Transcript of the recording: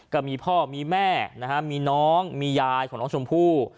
ก็มีพ่อมีแม่มีน้องมียายของน้องชมพู่